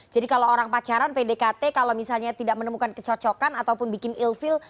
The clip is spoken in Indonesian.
jadi kalau orang pacaran pdkt kalau misalnya tidak menemukan kecocokan ataupun bikin ill feel